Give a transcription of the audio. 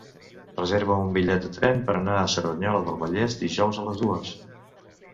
Reserva'm un bitllet de tren per anar a Cerdanyola del Vallès dijous a les dues.